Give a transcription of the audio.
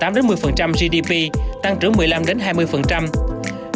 tăng trưởng một mươi năm hai mươi đồng thời hình thành được dịch vụ logistics chuyên nghiệp